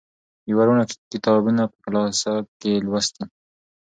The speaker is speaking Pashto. یوه روڼه کتابونه په کلاسه کې لوستي.